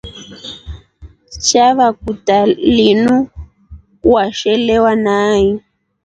Chava kutaa linu washelewa nai?